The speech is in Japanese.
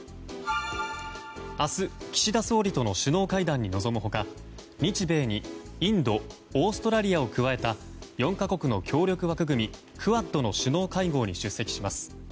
明日、岸田総理との首脳会談に臨む他日米にインドオーストラリアを加えた４か国の協力枠組みクアッドの首脳会合に出席します。